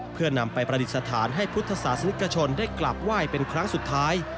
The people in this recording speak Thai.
เพื่อนำไปประดิษฐานให้พุทธศาสนิกชนได้กลับไหว้เป็นครั้งสุดท้าย